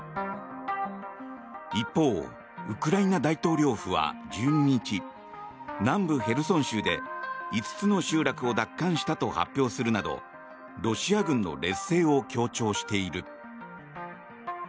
一方、ウクライナ大統領府は１２日南部ヘルソン州で５つの集落を奪還したと発表するなどロシア軍の劣勢を強調している。